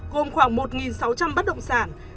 gồm khoảng một sáu trăm linh bất động sản